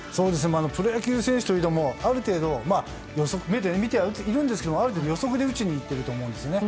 プロ野球選手といえどもある程度目で見てはいるんですがある程度予測で打ちにいってると思うんですね。